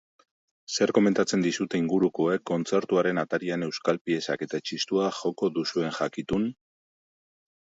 Zer komentatzen dizute ingurukoek kontzertuaren atarian euskal piezak eta txistua joko duzuen jakitun?